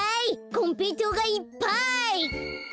こんぺいとうがいっぱい！